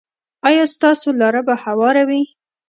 ایا ستاسو لاره به هواره وي؟